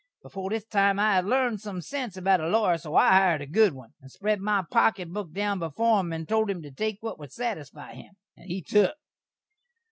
Before this time I had lerned sum sense about a lawyer, so I hired a good one, and spred my pokit book down before him, and told him to take what would satisfi him. And he took.